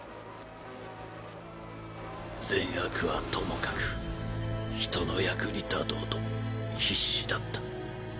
善悪はともかく人の役に立とうと必死だった。